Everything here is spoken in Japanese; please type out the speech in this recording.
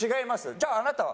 じゃああなたは。